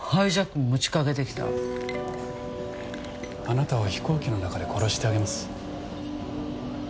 あなたを飛行機の中で殺してあげます。